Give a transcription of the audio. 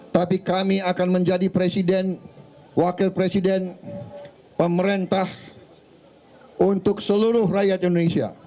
tapi kami akan menjadi presiden wakil presiden pemerintah untuk seluruh rakyat indonesia